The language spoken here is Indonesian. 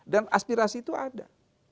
dan aspirasi itu ada